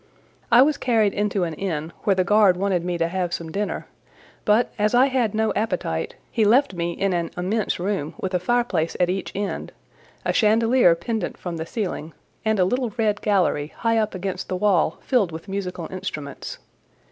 I was carried into an inn, where the guard wanted me to have some dinner; but, as I had no appetite, he left me in an immense room with a fireplace at each end, a chandelier pendent from the ceiling, and a little red gallery high up against the wall filled with musical instruments.